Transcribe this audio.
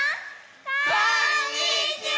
こんにちは！